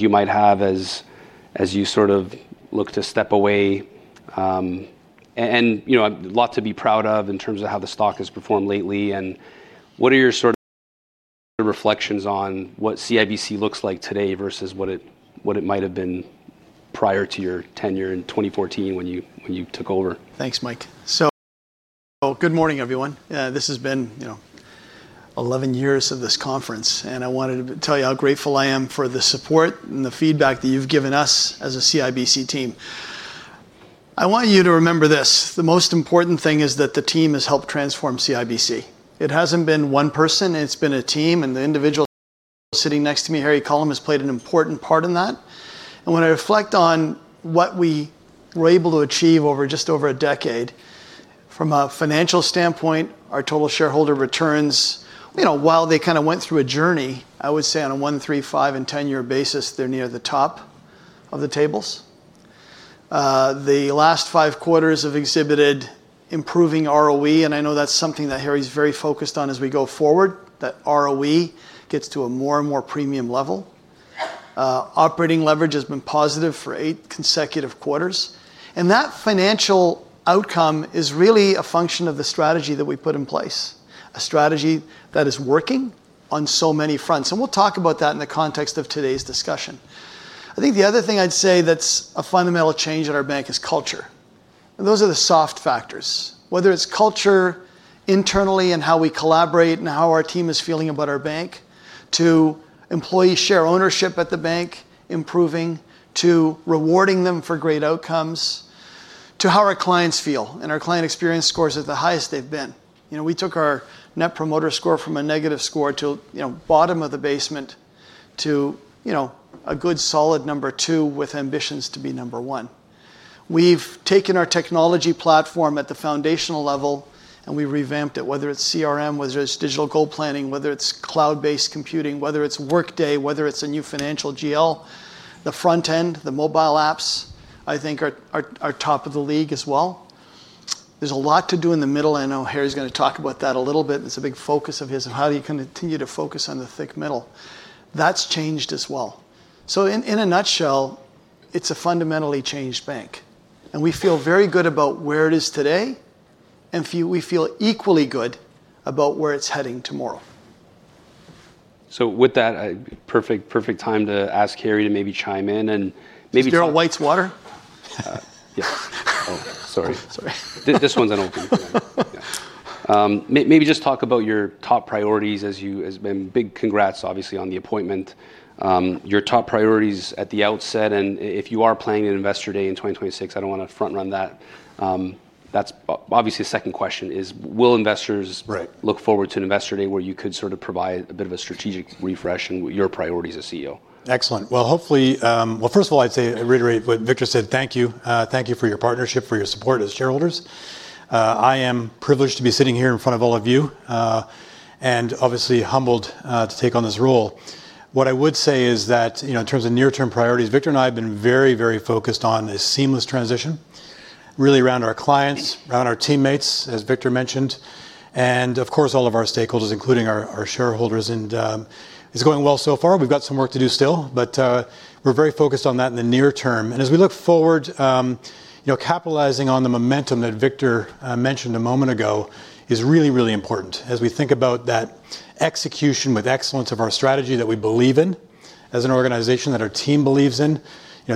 You might have, as you sort of look to step away, a lot to be proud of in terms of how the stock has performed lately, and what are your sort of reflections on what CIBC looks like today versus what it might have been prior to your tenure in 2014 when you took over? Thanks, Mike. So good morning, everyone. This has been 11 years of this conference, and I wanted to tell you how grateful I am for the support and the feedback that you've given us as a CIBC team. I want you to remember this: the most important thing is that the team has helped transform CIBC. It hasn't been one person. It's been a team, and the individual sitting next to me, Harry Culham, has played an important part in that. And when I reflect on what we were able to achieve over just over a decade, from a financial standpoint, our total shareholder returns, while they kind of went through a journey, I would say on a one, three, five, and 10-year basis, they're near the top of the tables. The last five quarters have exhibited improving ROE, and I know that's something that Harry's very focused on as we go forward, that ROE gets to a more and more premium level. Operating leverage has been positive for eight consecutive quarters, and that financial outcome is really a function of the strategy that we put in place, a strategy that is working on so many fronts, and we'll talk about that in the context of today's discussion. I think the other thing I'd say that's a fundamental change at our bank is culture, and those are the soft factors, whether it's culture internally and how we collaborate and how our team is feeling about our bank, to employee share ownership at the bank improving, to rewarding them for great outcomes, to how our clients feel, and our client experience scores are the highest they've been. We took our Net Promoter Score from a negative score to bottom of the basement to a good solid number two with ambitions to be number one. We've taken our technology platform at the foundational level, and we revamped it, whether it's CRM, whether it's digital goal planning, whether it's cloud-based computing, whether it's Workday, whether it's a new financial GL. The front end, the mobile apps, I think are top of the league as well. There's a lot to do in the middle, and I know Harry's going to talk about that a little bit. It's a big focus of his, of how do you continue to focus on the thick middle. That's changed as well. So in a nutshell, it's a fundamentally changed bank, and we feel very good about where it is today, and we feel equally good about where it's heading tomorrow. So with that, perfect time to ask Harry to maybe chime in and maybe. Is there a white water? Yes. Oh, sorry. This one's an opening. Maybe just talk about your top priorities as you have been big congrats, obviously, on the appointment. Your top priorities at the outset, and if you are planning an Investor Day in 2026, I don't want to front-run that. That's obviously a second question: will investors look forward to an Investor Day where you could sort of provide a bit of a strategic refresh and your priorities as CEO? Excellent. Well, first of all, I'd say I reiterate what Victor said. Thank you. Thank you for your partnership, for your support as shareholders. I am privileged to be sitting here in front of all of you and obviously humbled to take on this role. What I would say is that in terms of near-term priorities, Victor and I have been very, very focused on a seamless transition, really around our clients, around our teammates, as Victor mentioned, and of course, all of our stakeholders, including our shareholders. And it's going well so far. We've got some work to do still, but we're very focused on that in the near-term. As we look forward, capitalizing on the momentum that Victor mentioned a moment ago is really, really important as we think about that execution with excellence of our strategy that we believe in as an organization, that our team believes in,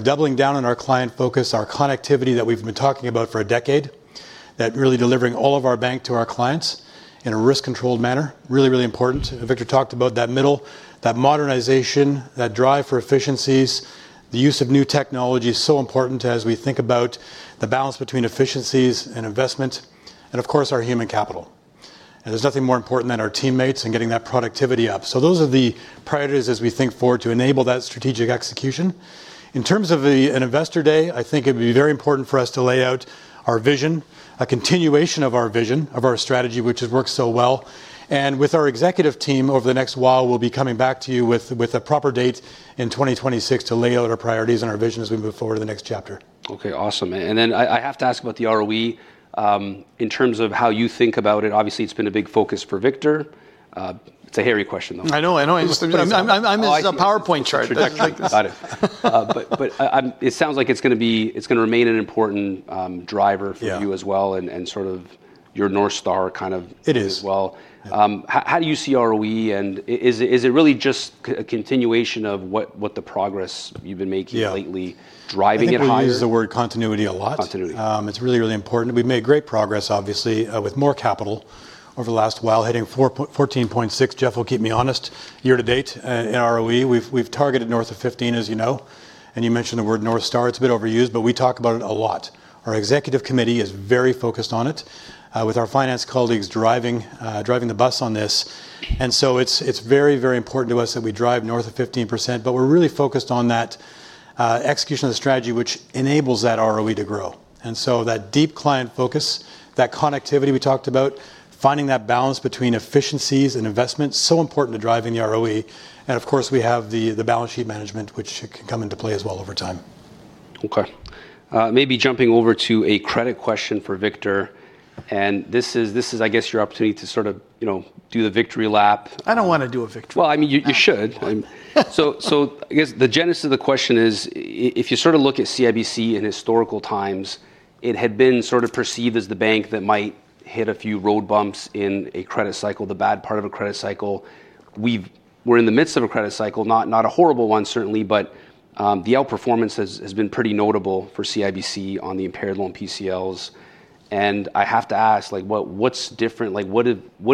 doubling down on our client focus, our connectivity that we've been talking about for a decade, that really delivering all of our bank to our clients in a risk-controlled manner, really, really important. Victor talked about that middle, that modernization, that drive for efficiencies, the use of new technology is so important as we think about the balance between efficiencies and investment, and of course, our human capital. There's nothing more important than our teammates and getting that productivity up. Those are the priorities as we think forward to enable that strategic execution. In terms of an Investor Day, I think it would be very important for us to lay out our vision, a continuation of our vision, of our strategy, which has worked so well, and with our executive team over the next while, we'll be coming back to you with a proper date in 2026 to lay out our priorities and our vision as we move forward to the next chapter. Okay, awesome. And then I have to ask about the ROE in terms of how you think about it. Obviously, it's been a big focus for Victor. It's a hairy question, though. I know. I know. I'm in a PowerPoint chart. Got it. But it sounds like it's going to remain an important driver for you as well and sort of your North Star kind of as well. It is. How do you see ROE, and is it really just a continuation of what the progress you've been making lately driving it higher? We use the word continuity a lot. Continuity. It's really, really important. We've made great progress, obviously, with more capital over the last while, hitting 14.6%, Jeff. We'll keep me honest, year to date in ROE. We've targeted north of 15%, as you know, and you mentioned the word North Star. It's a bit overused, but we talk about it a lot. Our executive committee is very focused on it with our finance colleagues driving the bus on this. And so it's very, very important to us that we drive north of 15%, but we're really focused on that execution of the strategy, which enables that ROE to grow. And so that deep client focus, that connectivity we talked about, finding that balance between efficiencies and investment, so important to driving the ROE. And of course, we have the balance sheet management, which can come into play as well over time. Okay. Maybe jumping over to a credit question for Victor, and this is, I guess, your opportunity to sort of do the victory lap. I don't want to do a victory lap. Well, I mean, you should. So I guess the genesis of the question is, if you sort of look at CIBC in historical times, it had been sort of perceived as the bank that might hit a few road bumps in a credit cycle, the bad part of a credit cycle. We're in the midst of a credit cycle, not a horrible one, certainly, but the outperformance has been pretty notable for CIBC on the impaired loan PCLs. And I have to ask, what's different? What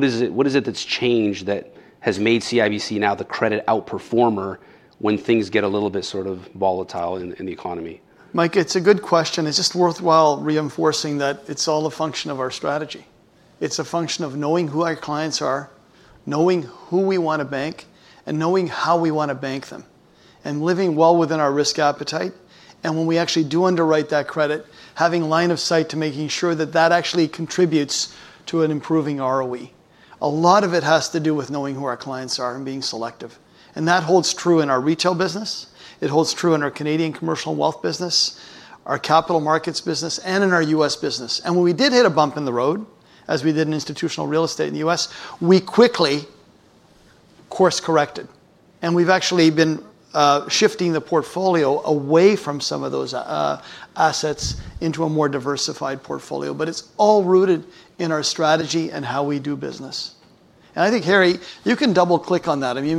is it that's changed that has made CIBC now the credit outperformer when things get a little bit sort of volatile in the economy? Mike, it's a good question. It's just worthwhile reinforcing that it's all a function of our strategy. It's a function of knowing who our clients are, knowing who we want to bank, and knowing how we want to bank them, and living well within our risk appetite. And when we actually do underwrite that credit, having line of sight to making sure that that actually contributes to an improving ROE. A lot of it has to do with knowing who our clients are and being selective. And that holds true in our retail business. It holds true in our Commercial and Wealth business, our Capital Markets business, and in our U.S. business. And when we did hit a bump in the road, as we did in institutional real estate in the U.S., we quickly course-corrected. And we've actually been shifting the portfolio away from some of those assets into a more diversified portfolio, but it's all rooted in our strategy and how we do business. And I think, Harry, you can double-click on that. I mean,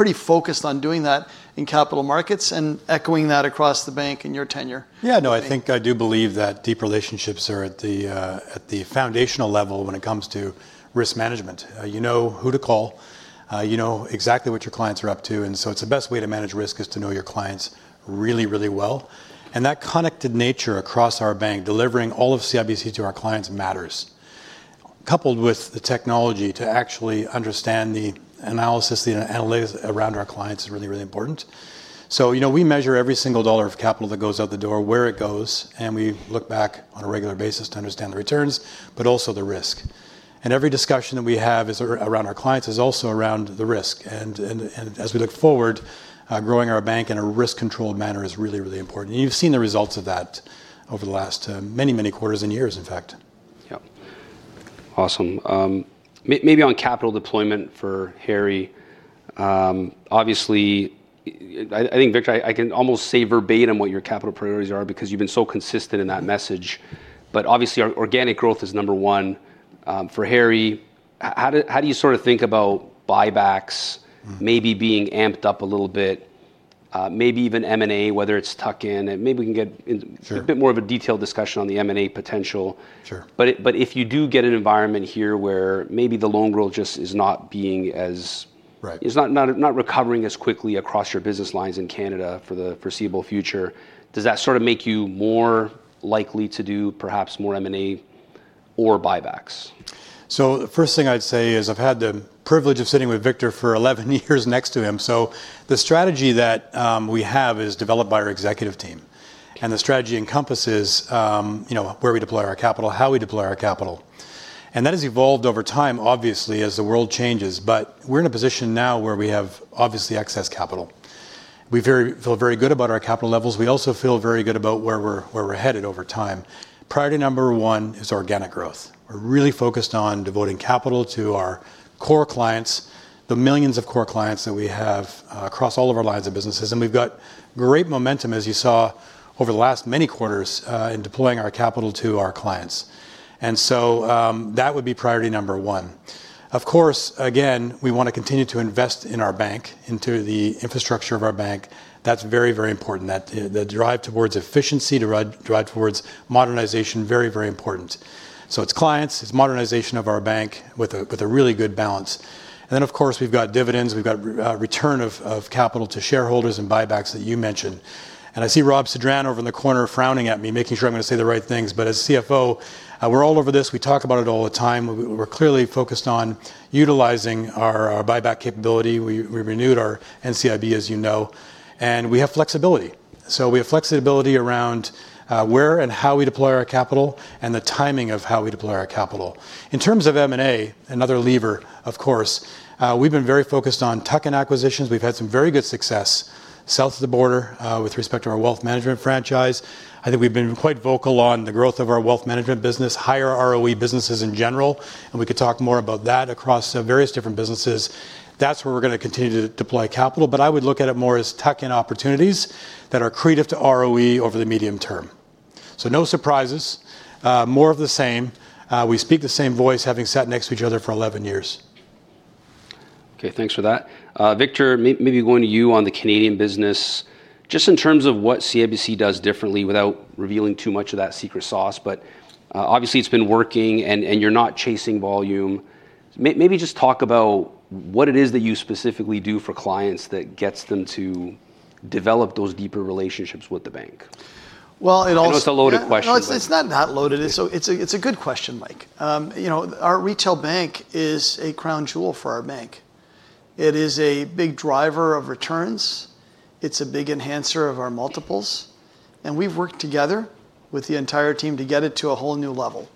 you've been pretty focused on doing that in Capital Markets and echoing that across the bank in your tenure. Yeah, no, I think I do believe that deep relationships are at the foundational level when it comes to risk management. You know who to call. You know exactly what your clients are up to. And so it's the best way to manage risk is to know your clients really, really well. And that connected nature across our bank, delivering all of CIBC to our clients matters. Coupled with the technology to actually understand the analysis, the analytics around our clients is really, really important. So we measure every single dollar of capital that goes out the door, where it goes, and we look back on a regular basis to understand the returns, but also the risk. And every discussion that we have around our clients is also around the risk. And as we look forward, growing our bank in a risk-controlled manner is really, really important. And you've seen the results of that over the last many, many quarters and years, in fact. Awesome. Maybe on capital deployment for Harry, obviously, I think, Victor, I can almost say verbatim what your capital priorities are because you've been so consistent in that message. But obviously, organic growth is number one for Harry. How do you sort of think about buybacks maybe being amped up a little bit, maybe even M&A, whether it's tucked in? And maybe we can get a bit more of a detailed discussion on the M&A potential. But if you do get an environment here where maybe the loan world just is not recovering as quickly across your business lines in Canada for the foreseeable future, does that sort of make you more likely to do perhaps more M&A or buybacks? So the first thing I'd say is I've had the privilege of sitting with Victor for 11 years next to him. So the strategy that we have is developed by our executive team, and the strategy encompasses where we deploy our capital, how we deploy our capital. And that has evolved over time, obviously, as the world changes. But we're in a position now where we have obviously excess capital. We feel very good about our capital levels. We also feel very good about where we're headed over time. Priority number one is organic growth. We're really focused on devoting capital to our core clients, the millions of core clients that we have across all of our lines of businesses. And we've got great momentum, as you saw over the last many quarters, in deploying our capital to our clients. And so that would be priority number one. Of course, again, we want to continue to invest in our bank, into the infrastructure of our bank. That's very, very important. The drive towards efficiency, the drive towards modernization, very, very important. So it's clients, it's modernization of our bank with a really good balance. And then, of course, we've got dividends, we've got return of capital to shareholders and buybacks that you mentioned. And I see Rob Sedran over in the corner frowning at me, making sure I'm going to say the right things. But as CFO, we're all over this. We talk about it all the time. We're clearly focused on utilizing our buyback capability. We renewed our NCIB, as you know, and we have flexibility. So we have flexibility around where and how we deploy our capital and the timing of how we deploy our capital. In terms of M&A, another lever, of course, we've been very focused on tuck-in acquisitions. We've had some very good success South of the border with respect to our Wealth Management franchise. I think we've been quite vocal on the growth of our Wealth Management business, higher ROE businesses in general, and we could talk more about that across various different businesses. That's where we're going to continue to deploy capital. But I would look at it more as tuck-in opportunities that are accretive to ROE over the medium term. So no surprises, more of the same. We speak the same voice having sat next to each other for 11 years. Okay, thanks for that. Victor, maybe going to you on the Canadian business, just in terms of what CIBC does differently without revealing too much of that secret sauce, but obviously it's been working and you're not chasing volume. Maybe just talk about what it is that you specifically do for clients that gets them to develop those deeper relationships with the bank. I know it's a loaded question. No, it's not loaded. It's a good question, Mike. Our retail bank is a crown jewel for our bank. It is a big driver of returns. It's a big enhancer of our multiples, and we've worked together with the entire team to get it to a whole new level,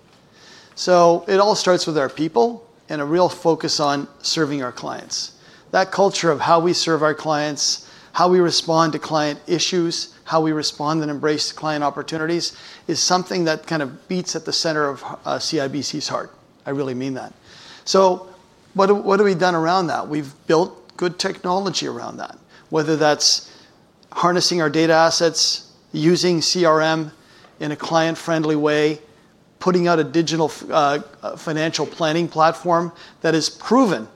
so it all starts with our people and a real focus on serving our clients. That culture of how we serve our clients, how we respond to client issues, how we respond and embrace client opportunities is something that kind of beats at the center of CIBC's heart. I really mean that, so what have we done around that? We've built good technology around that, whether that's harnessing our data assets, using CRM in a client-friendly way, putting out a digital financial planning platform that is proven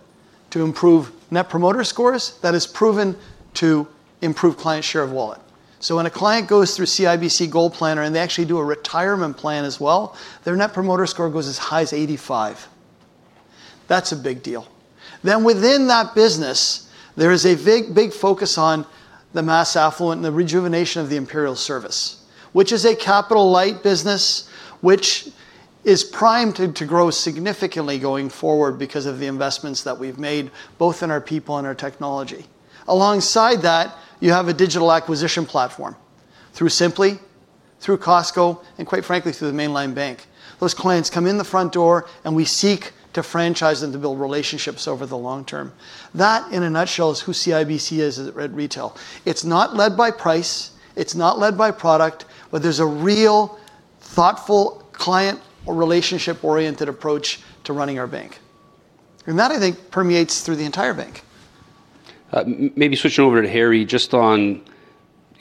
to improve Net Promoter Scores, that is proven to improve client share of wallet. So when a client goes through CIBC GoalPlanner and they actually do a retirement plan as well, their Net Promoter Score goes as high as 85. That's a big deal. Then within that business, there is a big focus on the mass affluent and the rejuvenation of the Imperial Service, which is a capital-light business, which is primed to grow significantly going forward because of the investments that we've made, both in our people and our technology. Alongside that, you have a digital acquisition platform through Simplii, through Costco, and quite frankly, through the mainline bank. Those clients come in the front door and we seek to franchise them to build relationships over the long-term. That, in a nutshell, is who CIBC is at retail. It's not led by price, it's not led by product, but there's a real thoughtful client or relationship-oriented approach to running our bank, and that, I think, permeates through the entire bank. Maybe switching over to Harry just on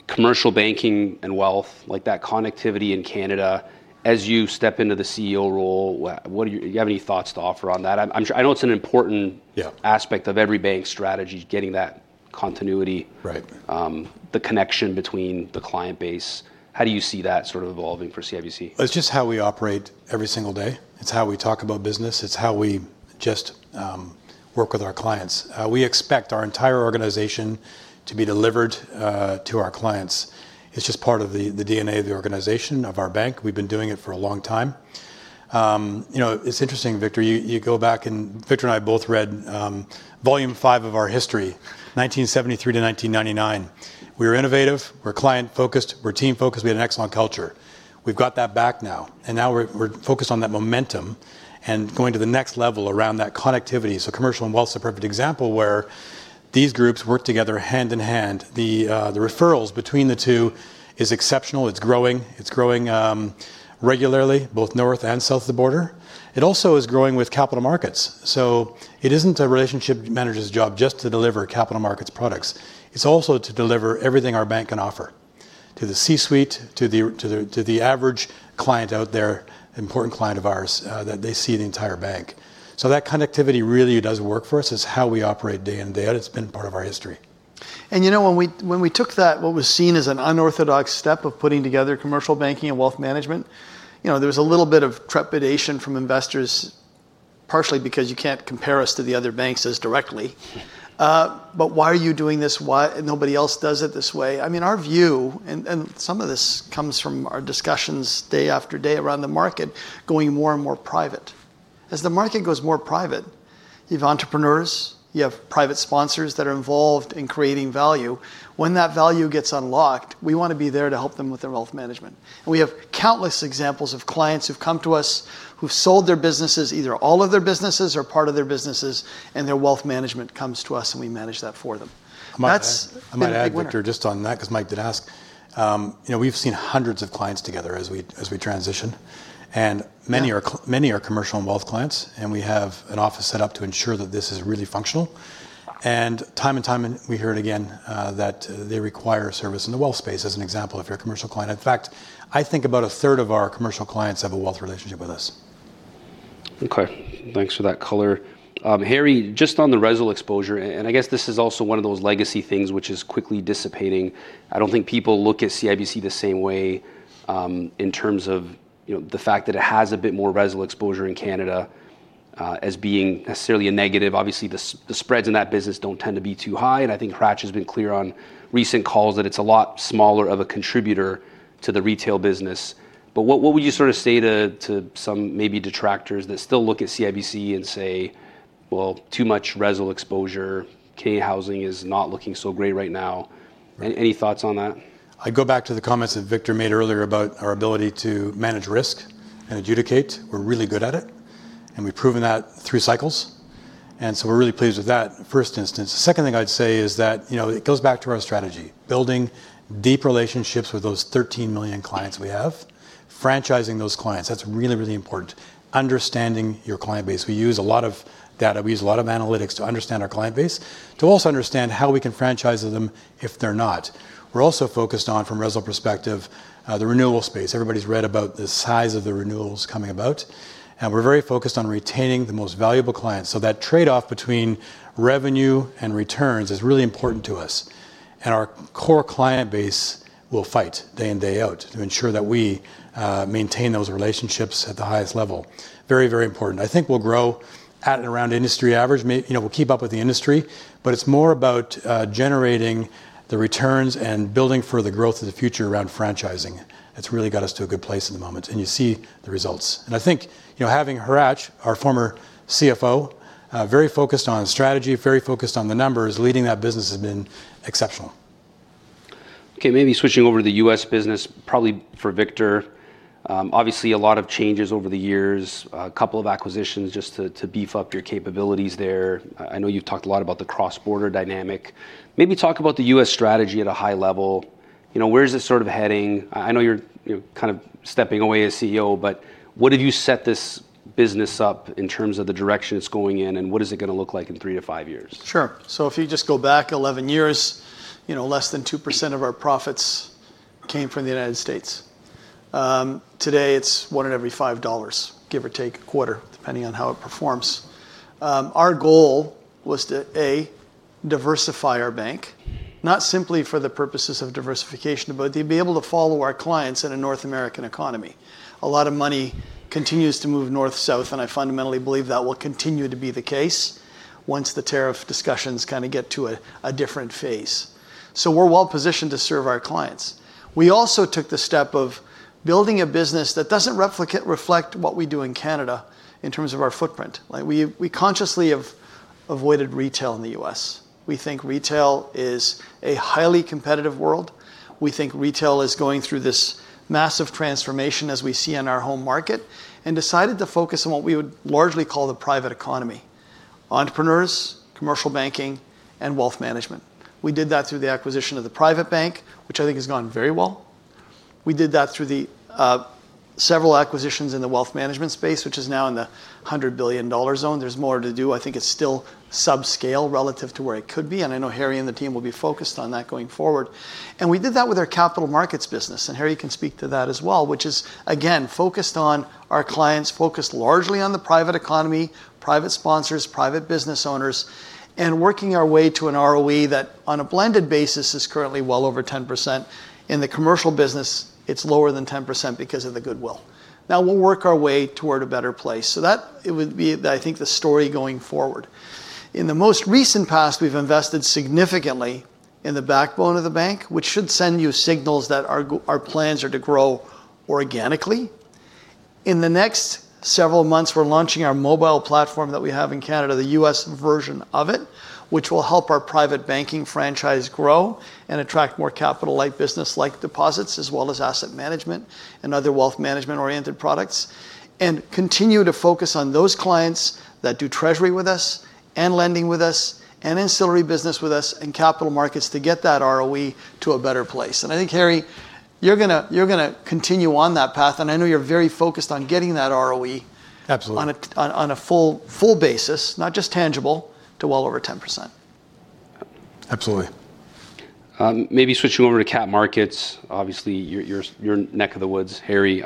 Commercial Banking and Wealth, like that connectivity in Canada, as you step into the CEO role, do you have any thoughts to offer on that? I know it's an important aspect of every bank's strategy, getting that continuity, the connection between the client base. How do you see that sort of evolving for CIBC? It's just how we operate every single day. It's how we talk about business. It's how we just work with our clients. We expect our entire organization to be delivered to our clients. It's just part of the DNA of the organization of our bank. We've been doing it for a long time. It's interesting, Victor. You go back and Victor and I both read Volume 5 of our history, 1973-1999. We were innovative. We're client-focused. We're team-focused. We had an excellent culture. We've got that back now. And now we're focused on that momentum and going to the next level around that connectivity. So Commercial and Wealth is a perfect example where these groups work together hand in hand. The referrals between the two are exceptional. It's growing. It's growing regularly, both North and South of the border. It also is growing with Capital Markets. So it isn't a relationship manager's job just to deliver Capital Markets products. It's also to deliver everything our bank can offer to the C-suite, to the average client out there, important client of ours that they see the entire bank. So that connectivity really does work for us. It's how we operate day in and day out. It's been part of our history. And you know when we took that, what was seen as an unorthodox step of putting together Commercial Banking and Wealth Management, there was a little bit of trepidation from investors, partially because you can't compare us to the other banks as directly. But why are you doing this? Nobody else does it this way. I mean, our view, and some of this comes from our discussions day after day around the market, going more and more private. As the market goes more private, you have entrepreneurs, you have private sponsors that are involved in creating value. When that value gets unlocked, we want to be there to help them with their Wealth Management. And we have countless examples of clients who've come to us, who've sold their businesses, either all of their businesses or part of their businesses, and their Wealth Management comes to us and we manage that for them. I might add, Victor, just on that, because Mike did ask. We've seen hundreds of clients together as we transition. And many are Commercial and Wealth clients. And we have an office set up to ensure that this is really functional. And time and time again we hear that they require service in the wealth space, as an example, if you're a commercial client. In fact, I think about a third of our commercial clients have a wealth relationship with us. Okay, thanks for that color. Harry, just on the RESL exposure, and I guess this is also one of those legacy things which is quickly dissipating. I don't think people look at CIBC the same way in terms of the fact that it has a bit more RESL exposure in Canada as being necessarily a negative. Obviously, the spreads in that business don't tend to be too high. I think Hratch has been clear on recent calls that it's a lot smaller of a contributor to the retail business. What would you sort of say to some maybe detractors that still look at CIBC and say, well, too much RESL exposure, Canadian housing is not looking so great right now? Any thoughts on that? I go back to the comments that Victor made earlier about our ability to manage risk and adjudicate. We're really good at it, and we've proven that through cycles, and so we're really pleased with that, first instance. The second thing I'd say is that it goes back to our strategy, building deep relationships with those 13 million clients we have, franchising those clients. That's really, really important. Understanding your client base. We use a lot of data. We use a lot of analytics to understand our client base, to also understand how we can franchise them if they're not. We're also focused on, from a RESL perspective, the renewal space. Everybody's read about the size of the renewals coming about, and we're very focused on retaining the most valuable clients. So that trade-off between revenue and returns is really important to us. And our core client base will fight day in, day out to ensure that we maintain those relationships at the highest level. Very, very important. I think we'll grow at and around industry average. We'll keep up with the industry. But it's more about generating the returns and building for the growth of the future around franchising. It's really got us to a good place at the moment. And you see the results. And I think having Hratch, our former CFO, very focused on strategy, very focused on the numbers, leading that business has been exceptional. Okay, maybe switching over to the U.S. business, probably for Victor. Obviously, a lot of changes over the years, a couple of acquisitions just to beef up your capabilities there. I know you've talked a lot about the cross-border dynamic. Maybe talk about the U.S. strategy at a high level. Where is it sort of heading? I know you're kind of stepping away as CEO, but what have you set this business up in terms of the direction it's going in, and what is it going to look like in three to five years? Sure. So if you just go back 11 years, less than 2% of our profits came from the United States. Today, it's one in every $5, give or take a quarter, depending on how it performs. Our goal was to, A, diversify our bank, not simply for the purposes of diversification, but to be able to follow our clients in a North American economy. A lot of money continues to move North-South, and I fundamentally believe that will continue to be the case once the tariff discussions kind of get to a different phase. So we're well-positioned to serve our clients. We also took the step of building a business that doesn't reflect what we do in Canada in terms of our footprint. We consciously have avoided retail in the U.S. We think retail is a highly competitive world. We think retail is going through this massive transformation as we see on our home market and decided to focus on what we would largely call the private economy: entrepreneurs, Commercial Banking, and Wealth Management. We did that through the acquisition of The PrivateBank, which I think has gone very well. We did that through several acquisitions in the Wealth Management space, which is now in the $100 billion zone. There's more to do. I think it's still subscale relative to where it could be. And I know Harry and the team will be focused on that going forward, and we did that with our Capital Markets business. And Harry can speak to that as well, which is, again, focused on our clients, focused largely on the private economy, private sponsors, private business owners, and working our way to an ROE that, on a blended basis, is currently well over 10%. In the Commercial business, it's lower than 10% because of the goodwill. Now we'll work our way toward a better place. So that would be, I think, the story going forward. In the most recent past, we've invested significantly in the backbone of the bank, which should send you signals that our plans are to grow organically. In the next several months, we're launching our mobile platform that we have in Canada, the U.S. version of it, which will help our private banking franchise grow and attract more capital-like business-like deposits, as well as asset management and other Wealth Management-oriented products, and continue to focus on those clients that do treasury with us and lending with us and ancillary business with us and Capital Markets to get that ROE to a better place. And I think, Harry, you're going to continue on that path. And I know you're very focused on getting that ROE on a full basis, not just tangible, to well over 10%. Absolutely. Maybe switching over to cap markets. Obviously, you're your neck of the woods, Harry.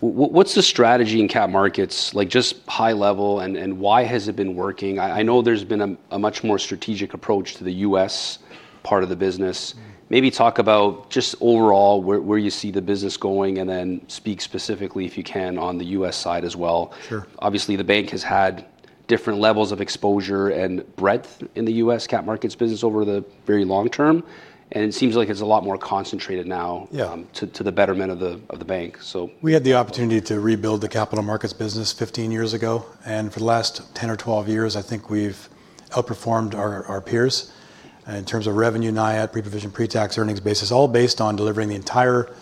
What's the strategy in cap markets, just high level, and why has it been working? I know there's been a much more strategic approach to the U.S. part of the business. Maybe talk about just overall where you see the business going and then speak specifically, if you can, on the U.S. side as well. Obviously, the bank has had different levels of exposure and breadth in the U.S. cap markets business over the very long-term. And it seems like it's a lot more concentrated now to the betterment of the bank, so. We had the opportunity to rebuild the Capital Markets business 15 years ago. And for the last 10 or 12 years, I think we've outperformed our peers in terms of revenue, NIAT, pre-provision, pre-tax earnings basis, all based on delivering the entire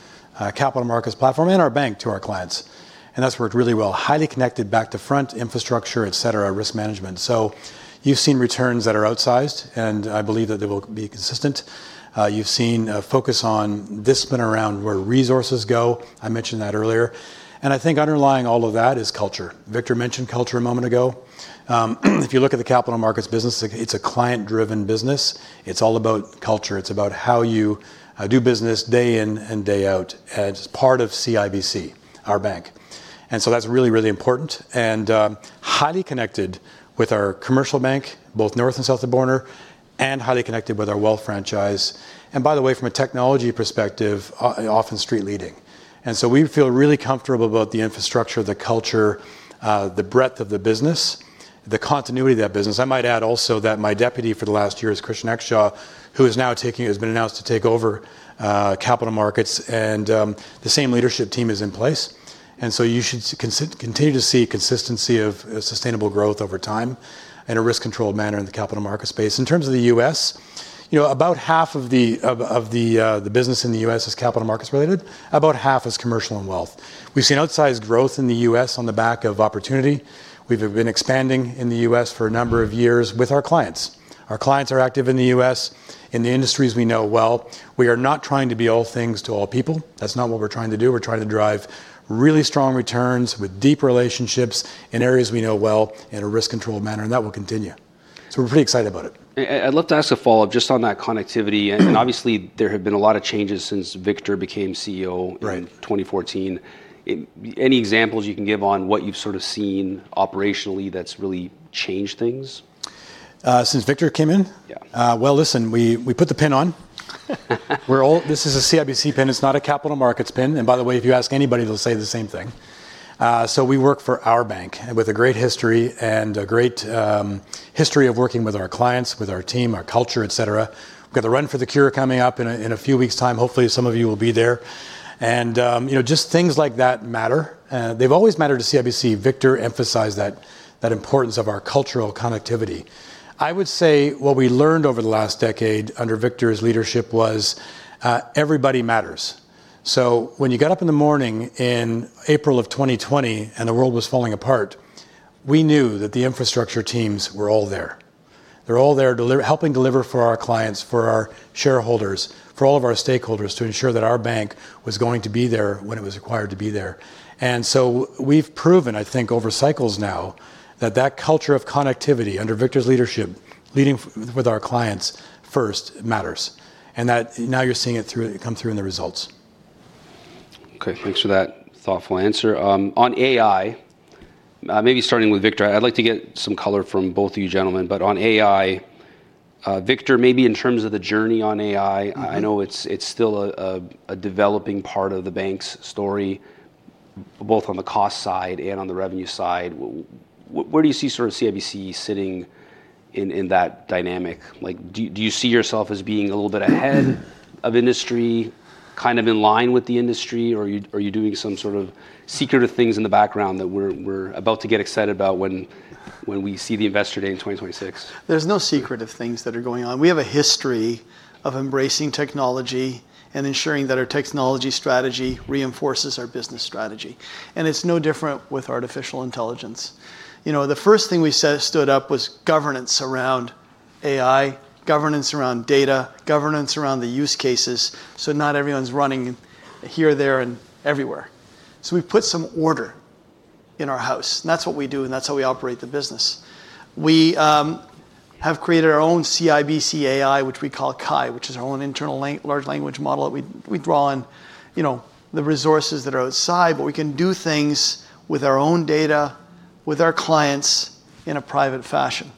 Capital Markets platform and our bank to our clients. And that's worked really well. Highly connected back-to-front infrastructure, et cetera, risk management. So you've seen returns that are outsized, and I believe that they will be consistent. You've seen a focus on discipline around where resources go. I mentioned that earlier. And I think underlying all of that is culture. Victor mentioned culture a moment ago. If you look at the Capital Markets business, it's a client-driven business. It's all about culture. It's about how you do business day in and day out as part of CIBC, our bank. And so that's really, really important and highly connected with our commercial bank, both North and South of the border, and highly connected with our wealth franchise. And by the way, from a technology perspective, often street leading. And so we feel really comfortable about the infrastructure, the culture, the breadth of the business, the continuity of that business. I might add also that my Deputy for the last year is Christian Exshaw, who has now taken, has been announced to take over Capital Markets. And the same leadership team is in place. And so you should continue to see consistency of sustainable growth over time and a risk-controlled manner in the Capital Markets space. In terms of the U.S., about half of the business in the U.S. is Capital Markets related. About half is Commercial and Wealth. We've seen outsized growth in the U.S. on the back of opportunity. We've been expanding in the U.S. for a number of years with our clients. Our clients are active in the U.S., in the industries we know well. We are not trying to be all things to all people. That's not what we're trying to do. We're trying to drive really strong returns with deep relationships in areas we know well in a risk-controlled manner. And that will continue. So we're pretty excited about it. I'd love to ask a follow-up just on that connectivity. And obviously, there have been a lot of changes since Victor became CEO in 2014. Any examples you can give on what you've sort of seen operationally that's really changed things? Since Victor came in? Yeah. Listen, we put the pin on. This is a CIBC pin. It's not a Capital Markets pin. By the way, if you ask anybody, they'll say the same thing. We work for our bank with a great history and a great history of working with our clients, with our team, our culture, et cetera. We've got the Run for the Cure coming up in a few weeks' time. Hopefully, some of you will be there. Just things like that matter. They've always mattered to CIBC. Victor emphasized that importance of our cultural connectivity. I would say what we learned over the last decade under Victor's leadership was everybody matters. When you got up in the morning in April of 2020 and the world was falling apart, we knew that the infrastructure teams were all there. They're all there helping deliver for our clients, for our shareholders, for all of our stakeholders to ensure that our bank was going to be there when it was required to be there. And so we've proven, I think, over cycles now that that culture of connectivity under Victor's leadership, leading with our clients first, matters. And that now you're seeing it come through in the results. Okay, thanks for that thoughtful answer. On AI, maybe starting with Victor, I'd like to get some color from both of you gentlemen. But on AI, Victor, maybe in terms of the journey on AI, I know it's still a developing part of the bank's story, both on the cost side and on the revenue side. Where do you see sort of CIBC sitting in that dynamic? Do you see yourself as being a little bit ahead of industry, kind of in line with the industry? Or are you doing some sort of secretive things in the background that we're about to get excited about when we see the Investor Day in 2026? There's no secretive things that are going on. We have a history of embracing technology and ensuring that our technology strategy reinforces our business strategy, and it's no different with artificial intelligence. The first thing we stood up was governance around AI, governance around data, governance around the use cases, so not everyone's running here, there, and everywhere, so we put some order in our house, and that's what we do, and that's how we operate the business. We have created our own CIBC AI, which we call CAI, which is our own internal large language model that we draw on the resources that are outside, but we can do things with our own data, with our clients in a private fashion.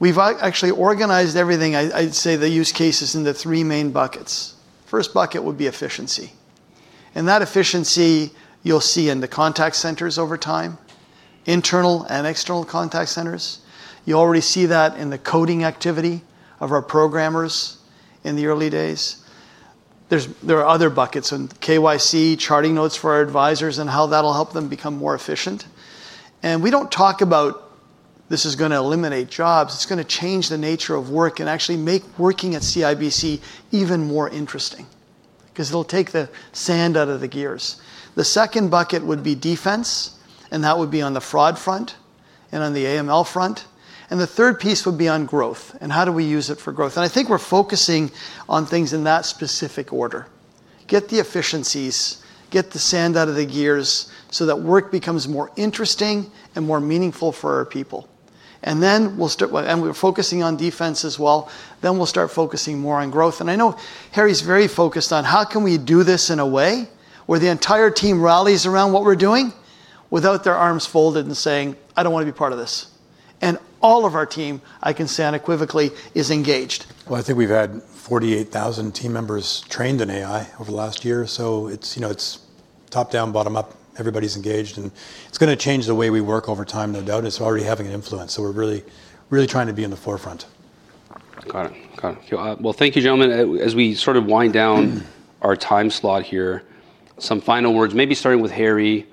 We've actually organized everything, I'd say, the use cases into three main buckets. First bucket would be efficiency. And that efficiency you'll see in the contact centers over time, internal and external contact centers. You already see that in the coding activity of our programmers in the early days. There are other buckets in KYC, charting notes for our advisors, and how that'll help them become more efficient. And we don't talk about this is going to eliminate jobs. It's going to change the nature of work and actually make working at CIBC even more interesting because it'll take the sand out of the gears. The second bucket would be defense. And that would be on the fraud front and on the AML front. And the third piece would be on growth and how do we use it for growth. And I think we're focusing on things in that specific order. Get the efficiencies, get the sand out of the gears so that work becomes more interesting and more meaningful for our people. And we're focusing on defense as well. Then we'll start focusing more on growth. And I know Harry's very focused on how can we do this in a way where the entire team rallies around what we're doing without their arms folded and saying, "I don't want to be part of this." And all of our team, I can say unequivocally, is engaged. I think we've had 48,000 team members trained in AI over the last year, so it's top-down, bottom-up. Everybody's engaged, and it's going to change the way we work over time, no doubt. And it's already having an influence, so we're really, really trying to be in the forefront. Got it. Got it. Well, thank you, gentlemen. As we sort of wind down our time slot here, some final words, maybe starting with Harry.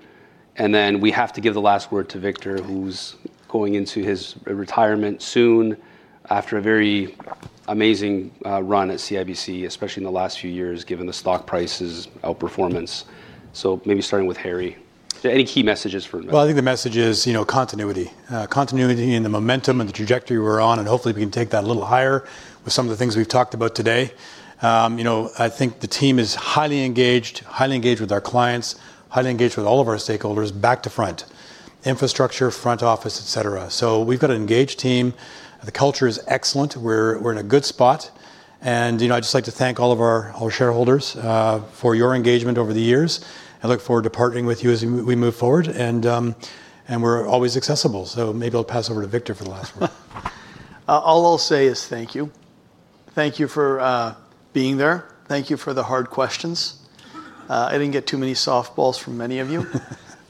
And then we have to give the last word to Victor, who's going into his retirement soon after a very amazing run at CIBC, especially in the last few years, given the stock price's outperformance. So maybe starting with Harry, is there any key messages for investors? I think the message is continuity, continuity in the momentum and the trajectory we're on. And hopefully, we can take that a little higher with some of the things we've talked about today. I think the team is highly engaged, highly engaged with our clients, highly engaged with all of our stakeholders back-to-front, infrastructure, front office, et cetera. So we've got an engaged team. The culture is excellent. We're in a good spot. And I'd just like to thank all of our shareholders for your engagement over the years. I look forward to partnering with you as we move forward. And we're always accessible. So maybe I'll pass over to Victor for the last word. All I'll say is thank you. Thank you for being there. Thank you for the hard questions. I didn't get too many softballs from many of you.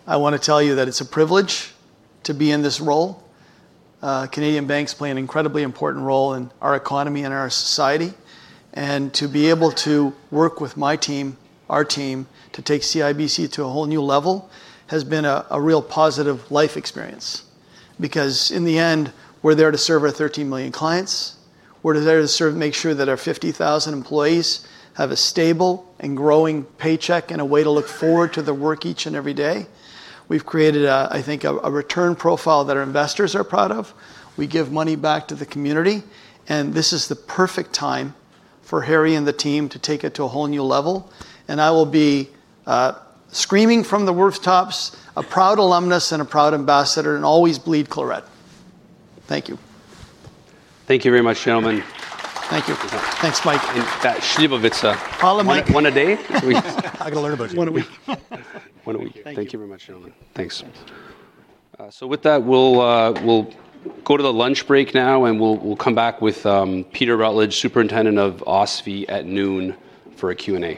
I want to tell you that it's a privilege to be in this role. Canadian banks play an incredibly important role in our economy and our society and to be able to work with my team, our team, to take CIBC to a whole new level has been a real positive life experience because in the end, we're there to serve our 13 million clients. We're there to make sure that our 50,000 employees have a stable and growing paycheck and a way to look forward to their work each and every day. We've created, I think, a return profile that our investors are proud of. We give money back to the community. And this is the perfect time for Harry and the team to take it to a whole new level. And I will be screaming from the rooftops, a proud alumnus and a proud ambassador, and always bleed scarlet. Thank you. Thank you very much, gentlemen. Thank you. Thanks, Mike. That Slivovica. Follow me. One a day? I got to learn about it. One a week. One a week. Thank you very much, gentlemen. Thanks. With that, we'll go to the lunch break now. We'll come back with Peter Rutledge, Superintendent of OSFI, at noon for a Q&A.